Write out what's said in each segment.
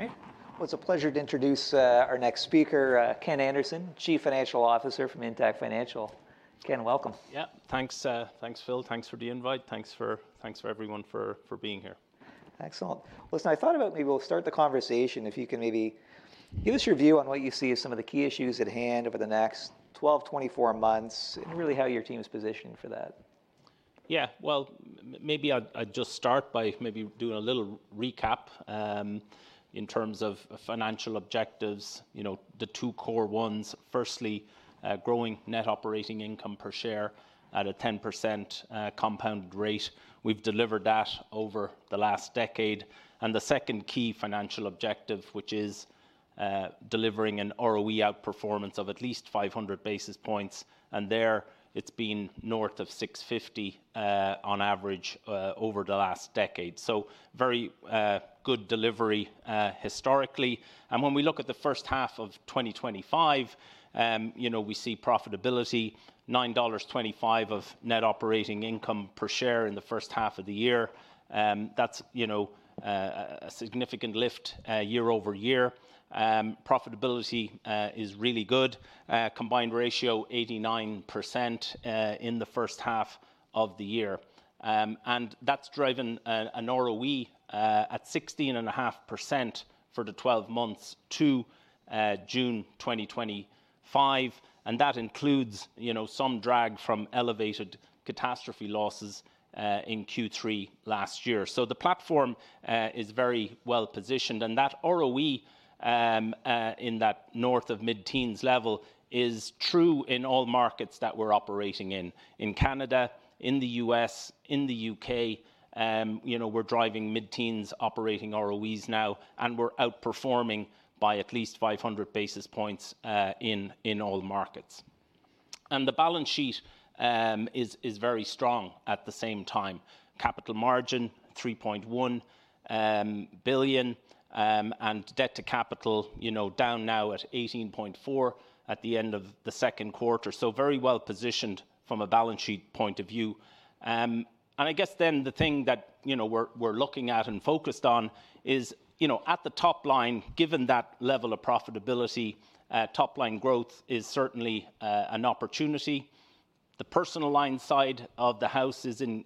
All right. Well, it's a pleasure to introduce our next speaker, Ken Anderson, Chief Financial Officer from Intac Financial. Ken, welcome. Yes. Thanks, Phil. Thanks for the invite. Thanks for everyone for being here. Excellent. Listen, I thought about maybe we'll start the conversation, if you can maybe give us your view on what you see as some of the key issues at hand over the next twelve, twenty four months and really how your team is positioned for that. Yes. Well, maybe I'd just start by maybe doing a little recap in terms of financial objectives, the two core ones. Firstly, growing net operating income per share at a 10% compound rate. We've delivered that over the last decade. And the second key financial objective, which is delivering an ROE outperformance of at least 500 basis points. And there, it's been north of six fifty on average over the last decade. So very good delivery historically. And when we look at the 2025, we see profitability, dollars 9.25 of net operating income per share in the first half of the year. That's a significant lift year over year. Profitability is really good. Combined ratio, 89% in the first half of the year. And that's driven an ROE at 16.5% for the twelve months to June 2025, and that includes some drag from elevated catastrophe losses in Q3 last year. So the platform is very well positioned. And that ROE in that north of mid teens level is true in all markets that we're operating in, in Canada, in The U. S, in The UK. We're driving mid teens operating ROEs now, and we're outperforming by at least 500 basis points in all markets. And the balance sheet is very strong at the same time. Capital margin, 3,100,000,000.0 and debt to capital down now at 18,400,000,000.0 the end of the second quarter. So very well positioned from a balance sheet point of view. And I guess then the thing that we're looking at and focused on is at the top line, given that level of profitability, top line growth is certainly an opportunity. The Personal Lines side of the house is in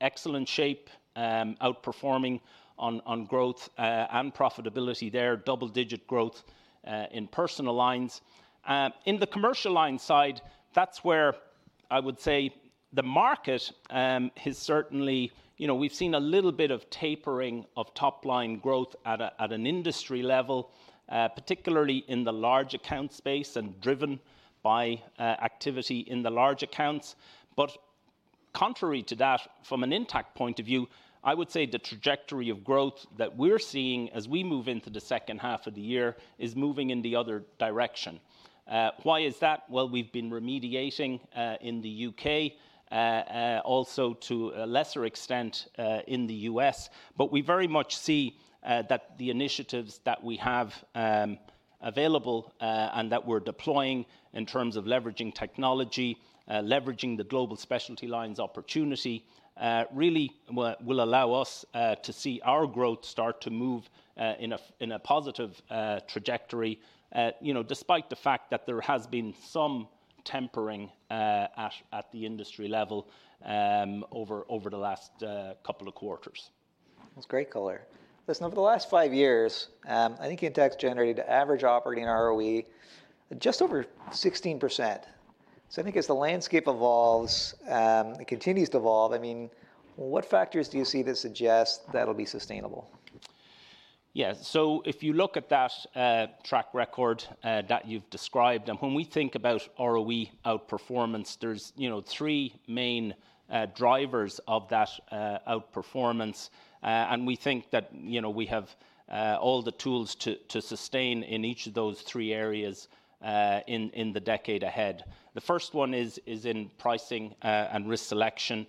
excellent shape, outperforming on growth and profitability there, double digit growth in Personal Lines. In the Commercial Lines side, that's where I would say the market has certainly we've seen a little bit of tapering of top line growth at an industry level, particularly in the large account space and driven by activity in the large accounts. But contrary to that, from an Intacct point of view, I would say the trajectory of growth that we're seeing as we move into the second half of the year is moving in the other direction. Why is that? Well, we've been remediating in The UK, also to a lesser extent in The U. S. But we very much see that the initiatives that we have available and that we're deploying in terms of leveraging technology, leveraging the global specialty lines opportunity really will allow us to see our growth start to move in a positive trajectory despite the fact that there has been some tempering at the industry level over the last couple of quarters. That's great color. Listen, over the last five years, I think Intacct generated average operating ROE just over 16%. So I think as the landscape evolves and continues to evolve, I mean, what factors do you see that suggest that will be sustainable? Yes. So if you look at that track record that you've described, and when we think about ROE outperformance, there's three main drivers of that outperformance. And we think that we have all the tools to sustain in each of those three areas in the decade ahead. The first one is in pricing and risk selection.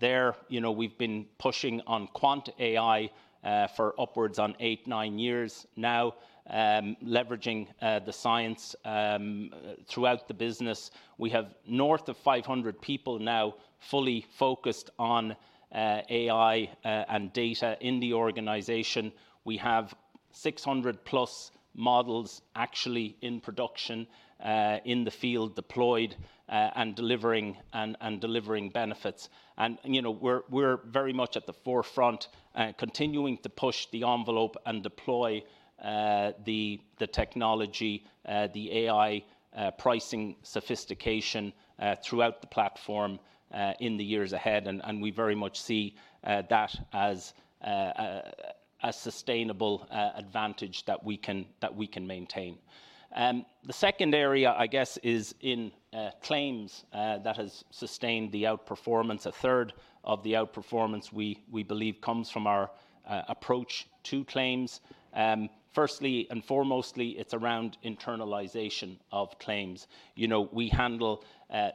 There, we've been pushing on quant AI for upwards on eight, nine years now, leveraging the science throughout the business. We have north of 500 people now fully focused on AI and data in the organization. We have 600 plus models actually in production in the field deployed and delivering benefits. And we're very much at the forefront, continuing to push the envelope and deploy the technology, the AI pricing sophistication throughout the platform in the years ahead. And we very much see that as a sustainable advantage that we can maintain. The second area, I guess, is in claims that has sustained the outperformance. Onethree of the outperformance, we believe, comes from our approach to claims. Firstly and foremostly, it's around internalization of claims. We handle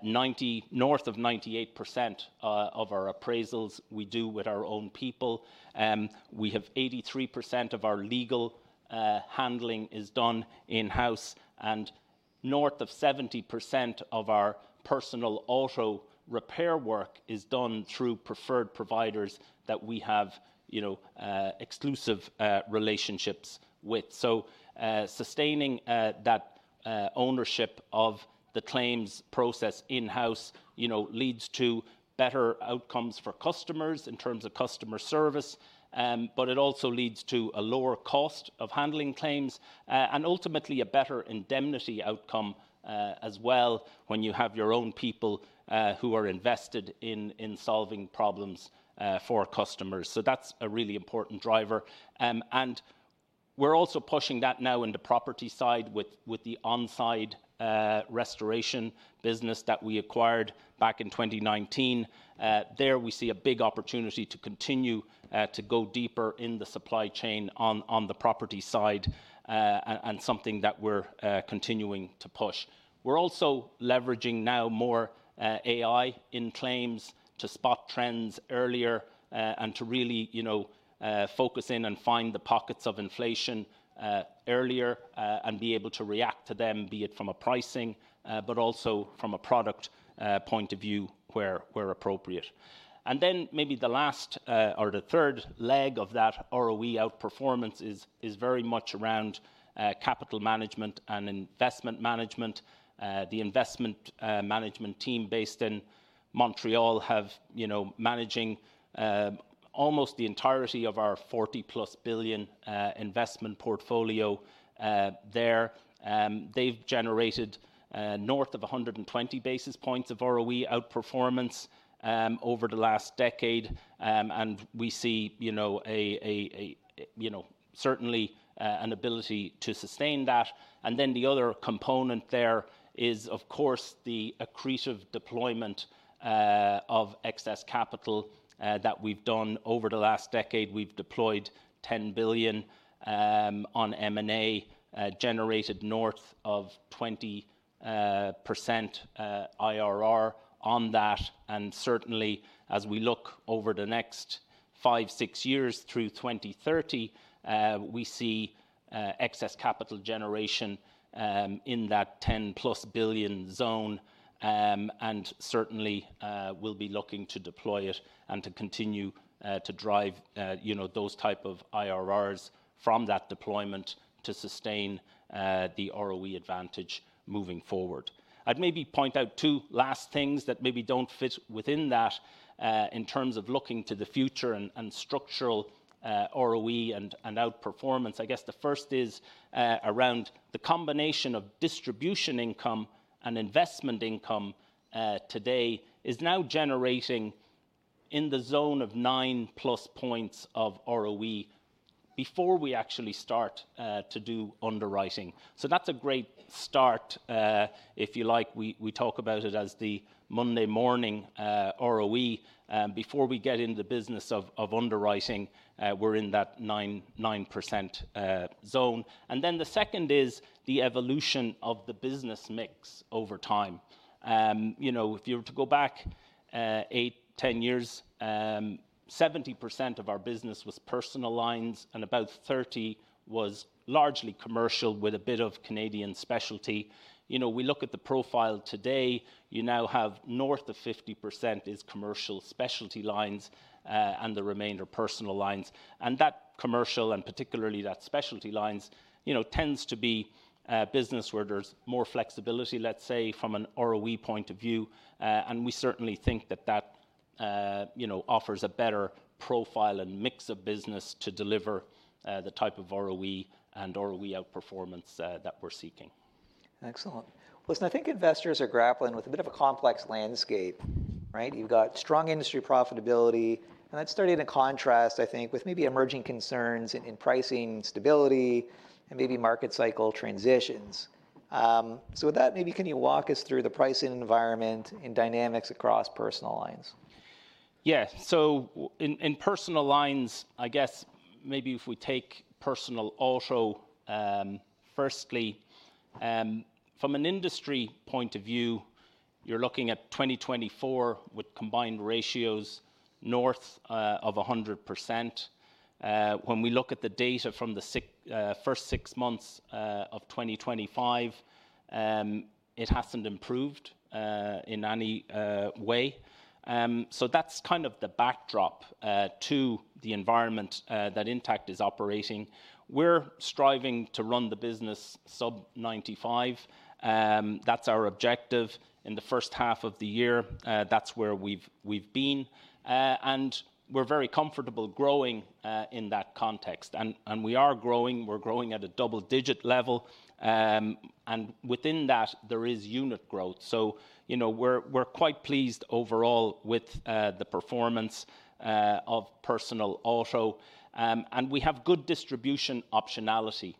90 north of 98% of our appraisals we do with our own people. We have 83% of our legal handling is done in house and north of 70% of our personal auto repair work is done through preferred providers that we have exclusive relationships with. So sustaining that ownership of the claims process in house leads to better outcomes for customers in terms of customer service, but it also leads to a lower cost of handling claims and ultimately a better indemnity outcome as well when you have your own people who are invested in solving problems for customers. So that's a really important driver. And we're also pushing that now in the property side with the On-site restoration business that we acquired back in 2019. There, we see a big opportunity to continue to go deeper in the supply chain on the property side and something that we're continuing to push. We're also leveraging now more AI in claims to spot trends earlier and to really focus in and find the pockets of inflation earlier and be able to react to them, be it from a pricing but also from a product point of view where appropriate. And then maybe the last or the third leg of that ROE outperformance is very much around capital management and investment management. The investment management team based in Montreal have managing almost the entirety of our 40 plus billion investment portfolio there. They've generated north of 120 basis points of ROE outperformance over the last decade, and we see certainly an ability to sustain that. And then the other component there is, of course, the accretive deployment of excess capital that we've done over the last decade. We've deployed 10,000,000,000 on M and A, generated north of 20% IRR on that. And certainly, as we look over the next five, six years through 02/1930, we see excess capital generation in that 10 plus billion zone. And certainly, we'll be looking to deploy it and to continue to drive those type of IRRs from that deployment to sustain the ROE advantage moving forward. I'd maybe point out two last things that maybe don't fit within that in terms of looking to the future and structural ROE and outperformance. I guess the first is around the combination of distribution income and investment income today is now generating in the zone of nine plus points of ROE before we actually start to do underwriting. So that's a great start. If you like, we talk about it as the Monday morning ROE before we get into the business of underwriting, we're in that 9% zone. And then the second is the evolution of the business mix over time. If you were to go back eight, ten years, 70% of our business was personal lines and about 30% largely commercial with a bit of Canadian specialty. We look at the profile today, you now have north of 50% is commercial specialty lines and the remainder personal lines. And that commercial and particularly that specialty lines tends to be a business where there's more flexibility, let's say, from an ROE point of view. And we certainly think that, that offers a better profile and mix of business to deliver the type of ROE and ROE outperformance that we're seeking. Excellent. Listen, I think investors are grappling with a bit of a complex landscape, right? You've got strong industry profitability, and that's starting to contrast, I think, with maybe emerging concerns in pricing stability and maybe market cycle transitions. So with that, maybe can you walk us through the pricing environment and dynamics across Personal Lines? Yes. So in Personal Lines, I guess, maybe if we take Personal Auto, firstly, from an industry point of view, you're looking at 2024 with combined ratios north of 100%. When we look at the data from the first six months of 2025, it hasn't improved in any way. So that's kind of the backdrop to the environment that Intact is operating. We're striving to run the business sub-ninety five. That's our objective in the first half of the year. That's where we've been. And we're very comfortable growing in that context. And we are growing. We're growing at a double digit level. And within that, there is unit growth. So we're quite pleased overall with the performance of personal auto. And we have good distribution optionality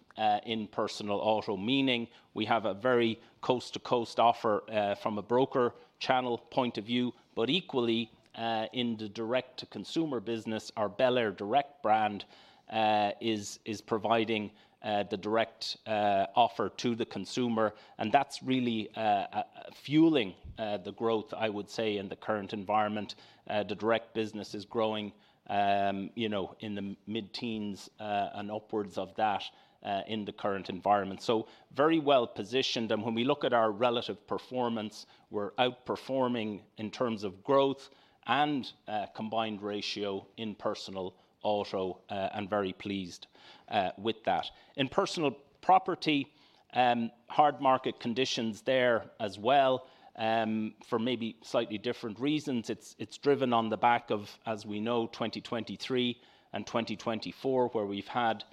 in personal auto, meaning we have a very coast to coast offer from a broker channel point of view. But equally, in the direct to consumer business, our Bel Air Direct brand is providing the direct offer to the consumer. And that's really fueling the growth, I would say, in the current environment. The direct business is growing in the mid teens and upwards of that in the current environment. So very well positioned. And when we look at our relative performance, we're outperforming in terms of growth and combined ratio in Personal, Auto and very pleased with that. In Personal Property, hard market conditions there as well for maybe slightly different reasons. It's driven on the back of, as we know, 2023 and 2024, where we've had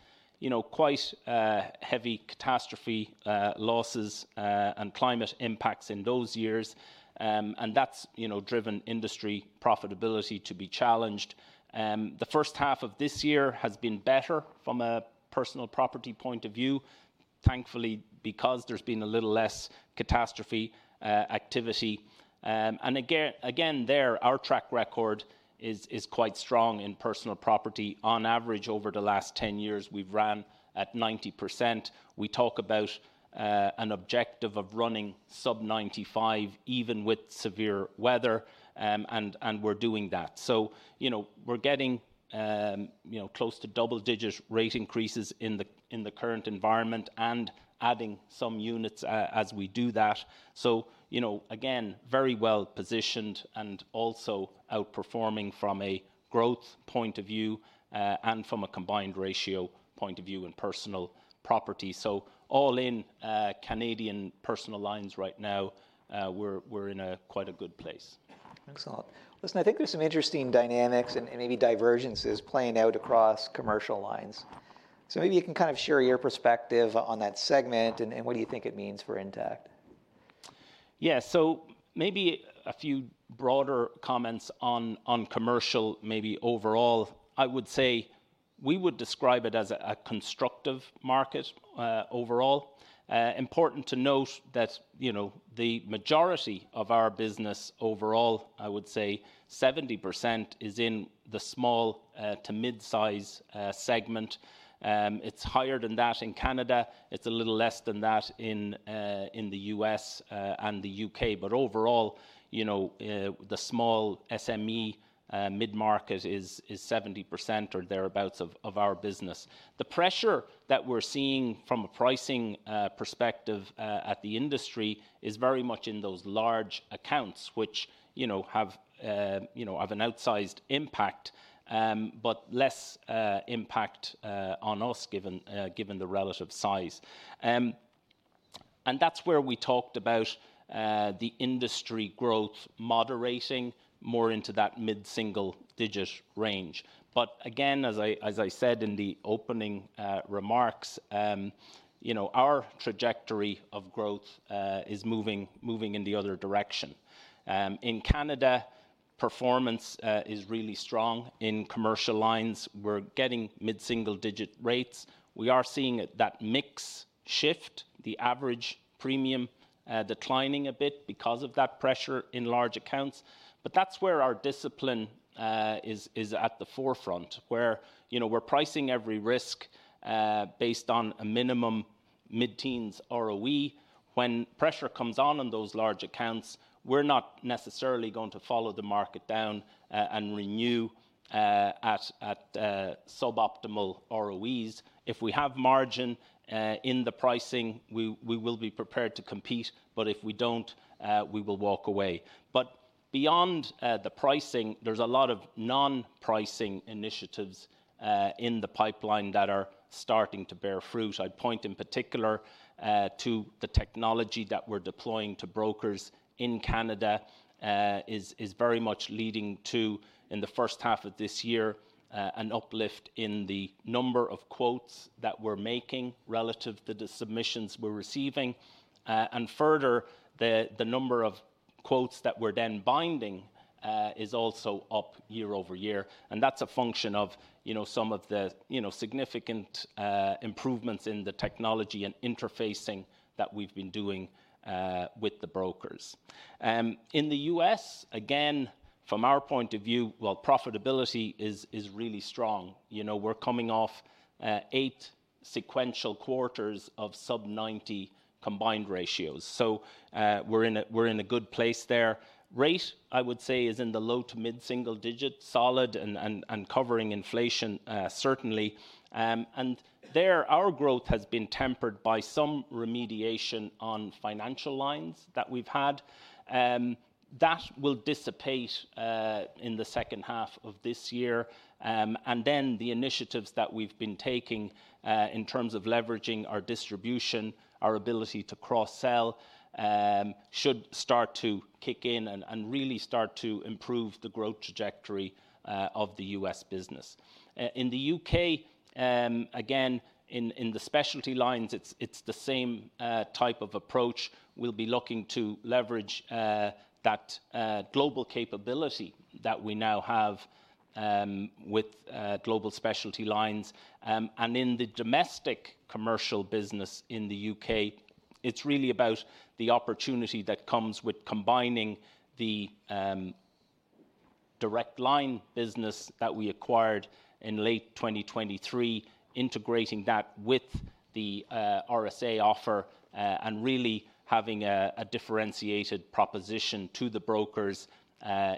quite heavy catastrophe losses and climate impacts in those years. And that's driven industry profitability to be challenged. The first half of this year has been better from a personal property point of view, thankfully because there's been a little less catastrophe activity. And again, there, our track record is quite strong in personal property. On average, over the last ten years, we've ran at 90%. We talk about an objective of running sub-ninety 5% even with severe weather, and we're doing that. So we're getting close to double digit rate increases in the current environment and adding some units as we do that. So again, very well positioned and also outperforming from a growth point of view and from a combined ratio point of view in personal property. So all in Canadian personal lines right now, we're in quite a good place. Excellent. Listen, I think there's some interesting dynamics and maybe diversions playing out across commercial lines. So maybe you can kind of share your perspective on that segment and what do you think it means for Intact? Yes. So maybe a few broader comments on commercial, maybe overall. I would say we would describe it as a constructive market overall. Important to note that the majority of our business overall, I would say 70% is in the small to mid size segment. It's higher than that in Canada. It's a little less than that in The U. S. And The UK. But overall, the small SME mid market is 70% or thereabouts of our business. The pressure that we're seeing from a pricing perspective at the industry is very much in those large accounts, which have an outsized impact, but less impact on us given the relative size. And that's where we talked about the industry growth moderating more into that mid single digit range. But again, as I said in the opening remarks, our trajectory of growth is moving in the other direction. In Canada, performance is really strong. In Commercial Lines, we're getting mid single digit rates. We are seeing that mix shift, the average premium declining a bit because of that pressure in large accounts. But that's where our discipline is at the forefront, where we're pricing every risk based on a minimum mid teens ROE. When pressure comes on, on those large accounts, we're not necessarily going to follow the market down and renew at suboptimal ROEs. If we have margin in the pricing, we will be prepared to compete. But if we don't, we will walk away. But beyond the pricing, there's a lot of non pricing initiatives in the pipeline that are starting to bear fruit. I'd point in particular to the technology that we're deploying to brokers in Canada is very much leading to, in the first half of this year, an uplift in the number of quotes that we're making relative to the submissions we're receiving. And further, the number of quotes that we're then binding is also up year over year. And that's a function of some of the significant improvements in the technology and interfacing that we've been doing with the brokers. In The U. S, again, from our point of view, well, profitability is really strong. We're coming off eight sequential quarters of sub-ninety combined ratios. So we're in a good place there. Rate, I would say, is in the low to mid single digit, solid and covering inflation certainly. And there, our growth has been tempered by some remediation on financial lines that we've had. That will dissipate in the second half of this year. And then the initiatives that we've been taking in terms of leveraging our distribution, our ability to cross sell should start to kick in and really start to improve the growth trajectory of The U. S. Business. In The UK, again, in the specialty lines, it's the same type of approach. We'll be looking to leverage that global capability that we now have with global specialty lines. And in the domestic commercial business in The UK, it's really about the opportunity that comes with combining the Direct Line business that we acquired in late twenty twenty three, integrating that with the RSA offer and really having a differentiated proposition to the brokers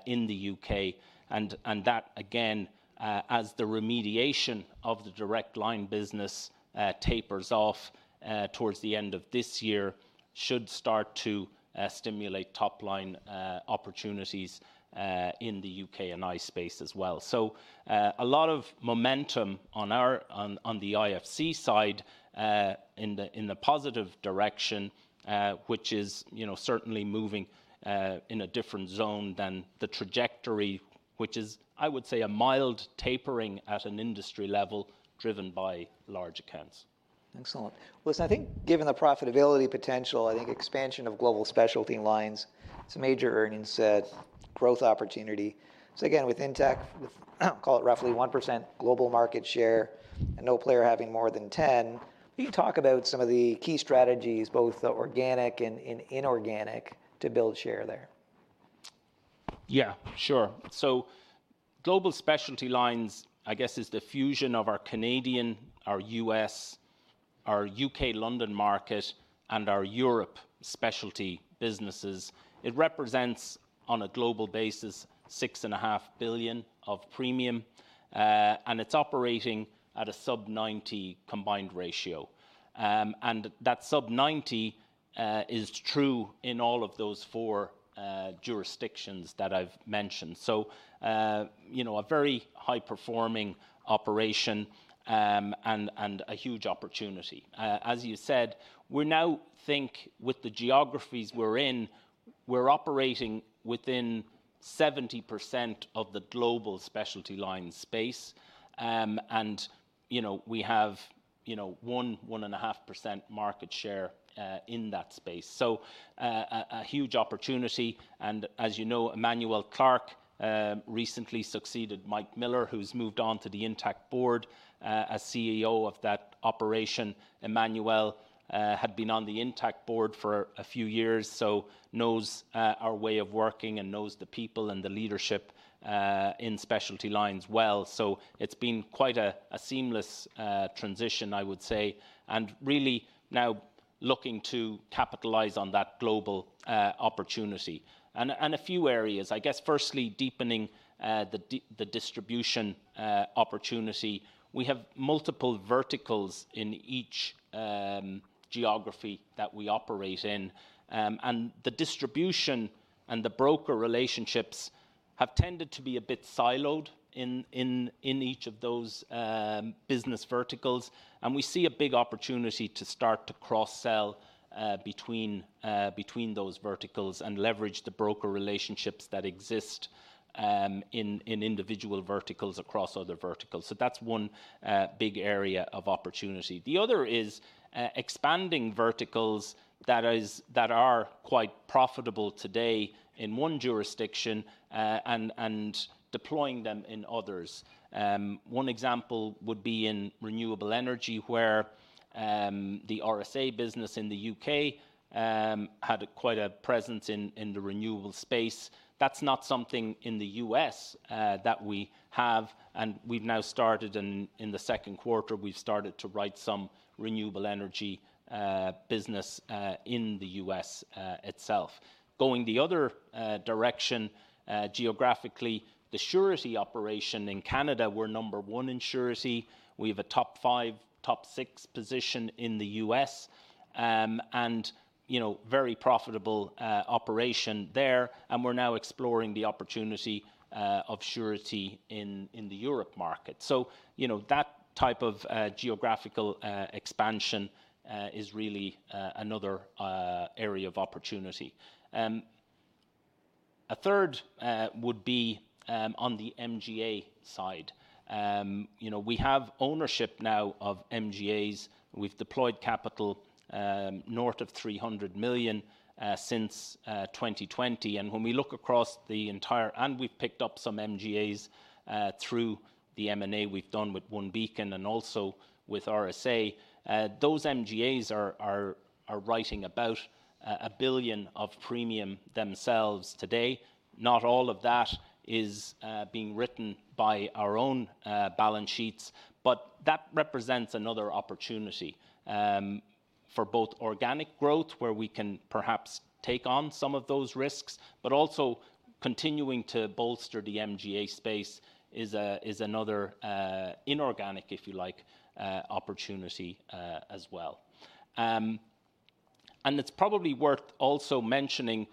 in The UK. And that, again, as the remediation of the Direct Line business tapers off towards the end of this year, should start to stimulate top line opportunities in The UK and I space as well. So a lot of momentum on our on the IFC side in the positive direction, which is certainly moving in a different zone than the trajectory, which is, I would say, a mild tapering at an industry level driven by large accounts. Excellent. Listen, I think given the profitability potential, I think expansion of global specialty lines, some major earnings growth opportunity. So again, with Intech, call it, roughly 1% global market share and no player having more than 10, Can you talk about some of the key strategies, both organic and inorganic, to build share there? Yes, sure. So Global Specialty Lines, I guess, is the fusion of our Canadian, our U. S, our UK London market and our Europe specialty businesses. It represents on a global basis, 6,500,000,000.0 of premium, and it's operating at a sub-ninety combined ratio. And that sub-ninety is true in all of those four jurisdictions that I've mentioned. So a very high performing operation and a huge opportunity. As you said, we now think with the geographies we're in, we're operating within 70% of the global specialty line space. And we have 1%, 1.5% market share in that space. So a huge opportunity. And as you know, Emmanuel Clark recently succeeded Mike Miller, who has moved on to the Intacct board as CEO of that operation. Emmanuel had been on the Intact Board for a few years, so knows our way of working and knows the people and the leadership in Specialty Lines well. So it's been quite a seamless transition, I would say, and really now looking to capitalize on that global opportunity. And a few areas, I guess, firstly, deepening the distribution opportunity. We have multiple verticals in each geography that we operate in. And the distribution and the broker relationships have tended to be a bit siloed in each of those business verticals. And we see a big opportunity to start to cross sell between those verticals and leverage the broker relationships that exist in individual verticals across other verticals. So that's one big area of opportunity. The other is expanding verticals that is that are quite profitable today in one jurisdiction and deploying them in others. One example would be in renewable energy, where the RSA business in The UK had quite a presence in the renewable space. That's not something in The U. S. That we have. And we've now started in the second quarter, we've started to write some renewable energy business in The U. S. Itself. Going the other direction, geographically, the surety operation in Canada, we're number one in surety. We have a top five, top six position in The U. S. And very profitable operation there. And we're now exploring the opportunity of surety in the Europe market. So that type of geographical expansion is really another area of opportunity. A third would be on the MGA side. We have ownership now of MGAs. We've deployed capital north of 300,000,000 since 2020. And when we look across the entire and we've picked up some MGAs through the M and A we've done with OneBeacon and also with RSA, those MGAs are writing about 1,000,000,000 of premium themselves today. Not all of that is being written by our own balance sheets, but that represents another opportunity for both organic growth where we can perhaps take on some of those risks, but also continuing to bolster the MGA space is another inorganic, if you like, opportunity as well. And it's probably worth also mentioning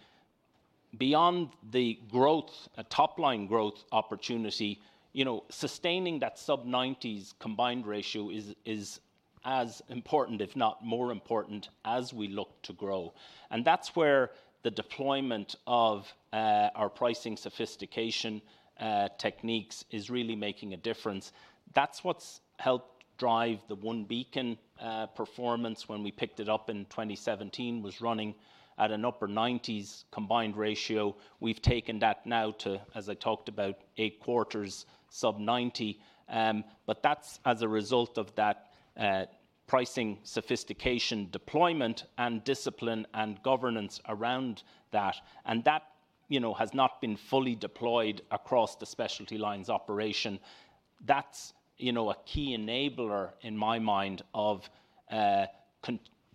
beyond the growth top line growth opportunity, sustaining that sub-90s combined ratio is as important, if not more important, as we look to grow. And that's where the deployment of our pricing sophistication techniques is really making a difference. That's what's helped drive the One Beacon performance when we picked it up in 2017, was running at an upper 90s combined ratio. We've taken that now to, as I talked about, eight quarters sub-ninety. But that's as a result of that pricing sophistication deployment and discipline and governance around that. And that has not been fully deployed across the Specialty Lines operation. That's a key enabler in my mind of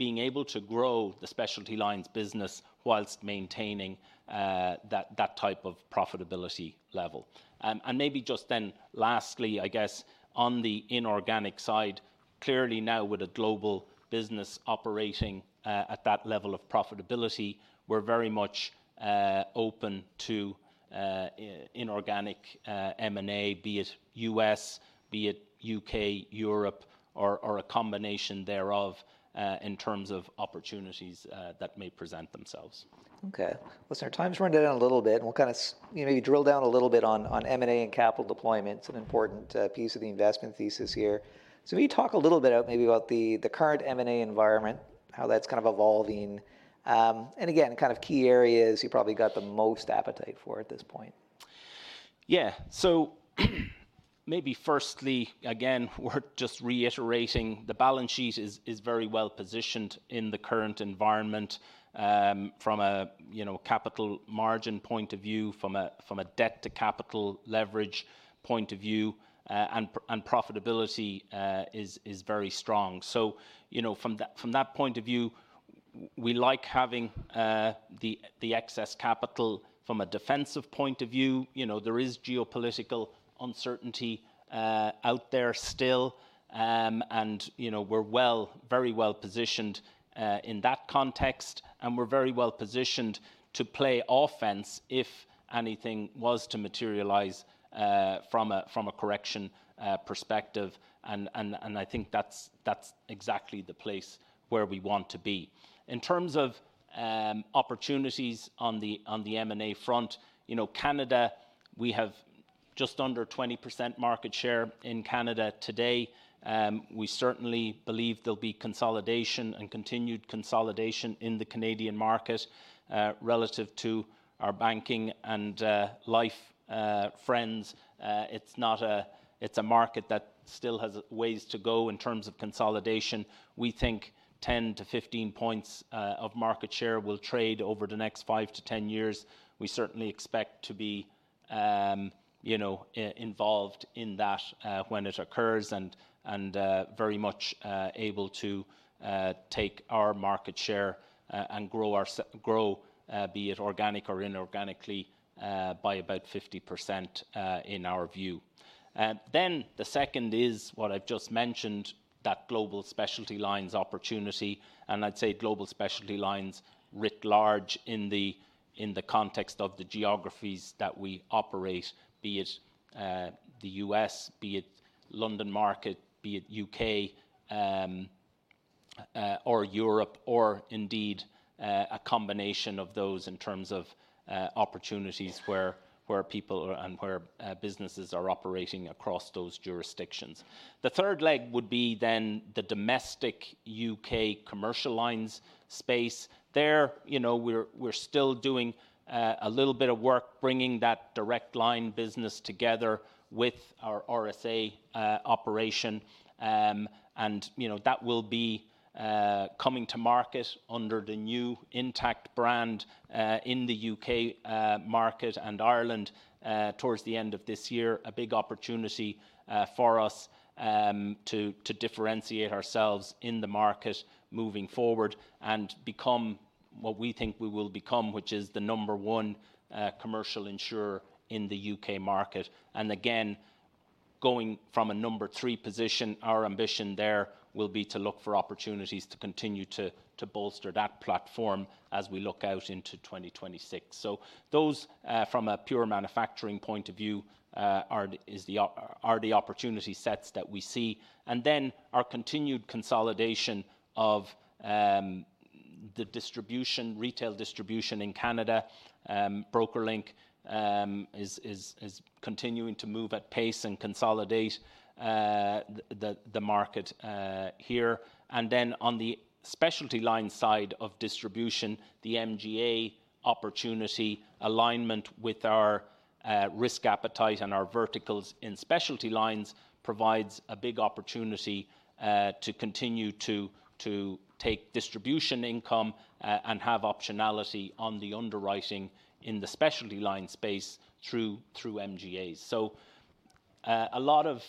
being able to grow the Specialty Lines business whilst maintaining that type of profitability level. And maybe just then lastly, I guess, on the inorganic side, clearly now with a global business operating at that level of profitability, we're very much open to inorganic M and A, be it U. S, be it U. K, Europe or a combination thereof in terms of opportunities that may present themselves. Listen, our time has run down a little bit. We'll You drill down a little bit on M and A and capital deployment, some important piece of the investment thesis here. So can you talk a little bit about the current M and A environment, how that's kind of evolving? And again, kind of key areas you probably got the most appetite for at this point. Yes. So maybe firstly, again, we're just reiterating the balance sheet is very well positioned in the current environment from a capital margin point of view, from a debt to capital leverage point of view and profitability is very strong. So from that point of view, we like having the excess capital from a defensive point of view. There is geopolitical uncertainty out there still, and we're well very well positioned in that context. And we're very well positioned to play offense if anything was to materialize from a correction perspective. And I think that's exactly the place where we want to be. In terms of opportunities on the M and A front, Canada, we have just under 20% market share in Canada today. We certainly believe there'll be consolidation and continued consolidation in the Canadian market relative to our banking and life friends. It's not a it's a market that still has ways to go in terms of consolidation. We think 10 to 15 points of market share will trade over the next five to ten years. We certainly expect to be involved in that when it occurs and very much able to take our market share and grow our grow, be it organic or inorganically, by about 50% in our view. Then the second is what I've just mentioned, that Global Specialty Lines opportunity. And I'd say Global Specialty Lines writ large in the context of the geographies that we operate, be it The U. S, be it London market, be it UK or Europe or indeed a combination of those in terms of opportunities where people and where businesses are operating across those jurisdictions. The third leg would be then the domestic UK commercial lines space. There, we're still doing a little bit of work bringing that direct line business together with our RSA operation. And that will be coming to market under the new Intact brand in The UK market and Ireland towards the end of this year, a big opportunity for us to differentiate ourselves in the market moving forward and become what we think we will become, which is the number one commercial insurer in The UK market. And again, going from a number three position, our ambition there will be to look for opportunities to continue to bolster that platform as we look out into 2026. So those, from a pure manufacturing point of view, are the opportunity sets that we see. And then our continued consolidation of the distribution retail distribution in Canada, BrokerLink is continuing to move at pace and consolidate the market here. And then on the Specialty Lines side of distribution, the MGA opportunity alignment with our risk appetite and our verticals in Specialty Lines provides a big opportunity to continue to take distribution income and have optionality on the underwriting in the specialty line space through MGAs. So a lot of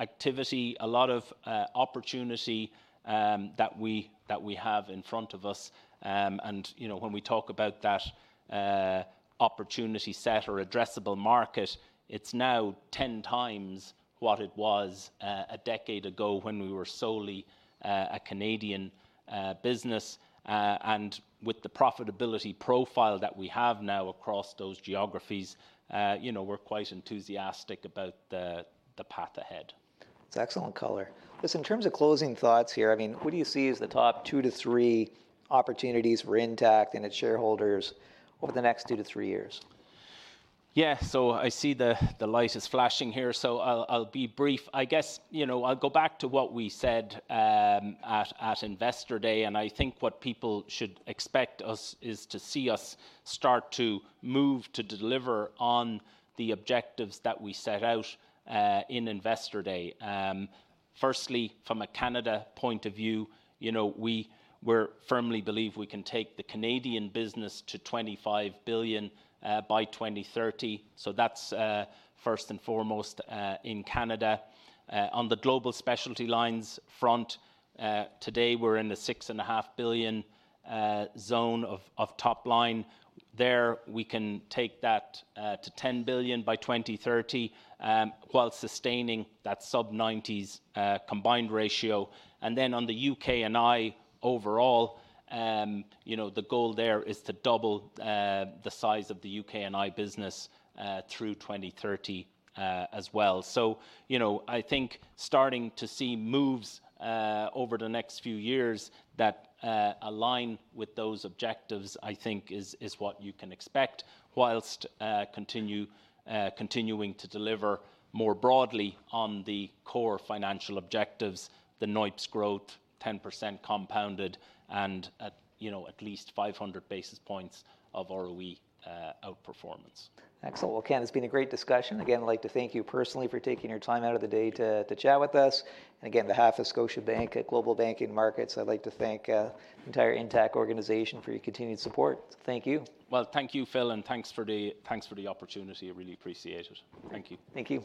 activity, a lot of opportunity that we have in front of us. And when we talk about that opportunity set or addressable market, it's now 10 times what it was a decade ago when we were solely a Canadian business. And with the profitability profile that we have now across those geographies, we're quite enthusiastic about the path ahead. That's excellent color. Listen, in terms of closing thoughts here, I mean, who do you see as the top two to three opportunities for Intact and its shareholders over the next two to three years? Yes. So I see the light is flashing here, so I'll be brief. I guess I'll go back to what we said at Investor Day, and I think what people should expect us is to see us start to move to deliver on the objectives that we set out in Investor Day. Firstly, from a Canada point of view, we firmly believe we can take the Canadian business to 25,000,000,000 by 02/1930. So that's first and foremost in Canada. On the global specialty lines front, today, we're in the 6,500,000,000.0 zone of top line. There, we can take that to 10,000,000,000 by 2030 while sustaining that sub-90s combined ratio. And then on The UK and I overall, the goal there is to double the size of The UK and I business through 2030 as well. So I think starting to see moves over the next few years that align with those objectives, I think, is what you can expect whilst continuing to deliver more broadly on the core financial objectives, the notes growth 10% compounded and at least 500 basis points of ROE outperformance. Excellent. Well, Ken, it's been a great discussion. Again, I'd like to thank you personally for taking your time out of the day to chat with us. And again, on behalf of Scotiabank at Global Banking Markets, I'd like to thank the entire Intac organization for your continued support. Thank you. Well, you, Phil, and thanks opportunity. For I really appreciate it. Thank you. Thank you.